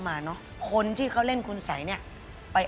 หรือว่ามันเกิดจากอะไร